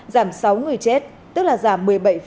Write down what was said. giảm sáu người chết tức là giảm một mươi bảy sáu mươi năm